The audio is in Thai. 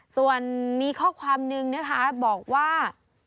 ส่วนมีข้อความนึงนะคะบอกว่า